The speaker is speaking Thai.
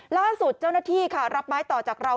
ล่าสุดเจ้าหน้าที่ค่ะรับไม้ต่อจากเรา